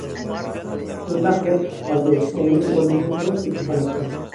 شۇنداق گەپ چىقىپ قالدى ئوغلى ئورنىدىن تۇرۇپ كېتىپ قالاتتى.